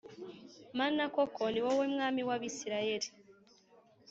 mana koko ni wowe mwami w abisirayeli